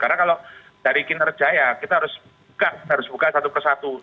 karena kalau dari kinerja ya kita harus buka harus buka satu ke satu